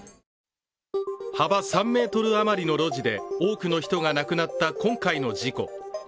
幅３ｍあまりの路地で多くの人が亡くなった今回の事故。